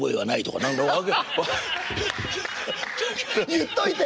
言っといて。